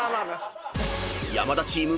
［山田チーム